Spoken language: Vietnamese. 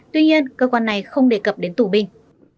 tuy nhiên cơ quan này không đề cập đến tù binh